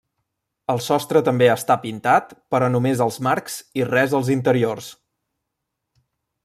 El sostre també està pintat, però només els marcs i res als interiors.